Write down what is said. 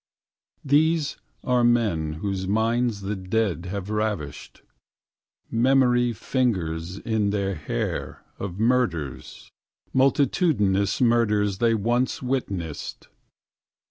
These are men whose minds the Dead have ravished. Memory fingers in their hair of murders, Multitudinous murders they once witnessed.